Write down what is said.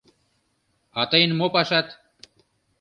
— А тыйын мо пашат?!